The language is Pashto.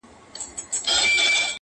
تاسو په درد مه كوئ ـ